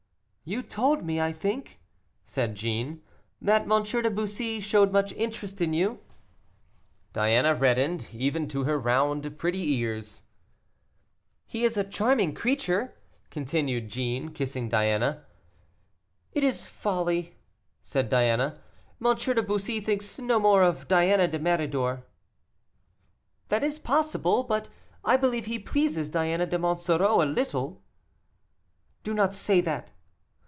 "You told me, I think," said Jeanne, "that M. de Bussy showed much interest in you." Diana reddened, even to her round pretty ears. "He is a charming creature," continued Jeanne, kissing Diana. "It is folly," said Diana; "M. de Bussy thinks no more of Diana de Méridor." "That is possible; but I believe he pleases Diana de Monsoreau a little." "Do not say that."